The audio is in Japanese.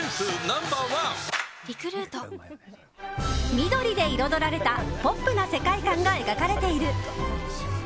緑で彩られたポップな世界観が描かれている。